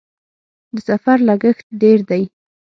د سفر لګښت ډیر دی؟